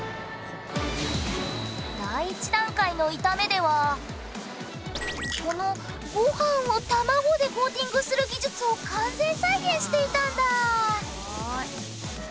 第１段階の炒めではこのご飯を卵でコーティングする技術を完全再現していたんだ。